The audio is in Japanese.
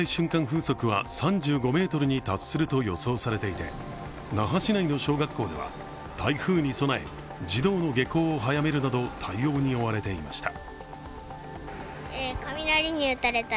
風速は３５メートルに達すると予想されていて、那覇市内の小学校では台風に備え、児童の下校を早めるなど対応に追われていました。